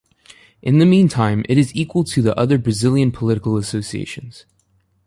In the meantime, it is equal to the other Brazilian political associations.